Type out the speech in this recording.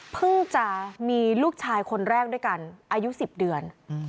จะมีลูกชายคนแรกด้วยกันอายุ๑๐เดือน